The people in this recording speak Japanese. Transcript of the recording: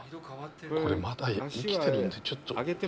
これ、まだ生きてるので、ちょっと。